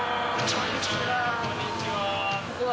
こんにちは。